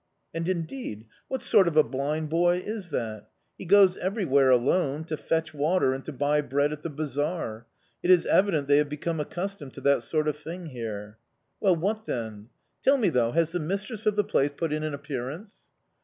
'... And, indeed, what sort of a blind boy is that? He goes everywhere alone, to fetch water and to buy bread at the bazaar. It is evident they have become accustomed to that sort of thing here." "Well, what then? Tell me, though, has the mistress of the place put in an appearance?"